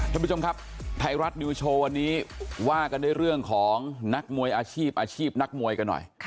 ท่านผู้ชมครับไทยรัฐนิวโชว์วันนี้ว่ากันด้วยเรื่องของนักมวยอาชีพอาชีพนักมวยกันหน่อย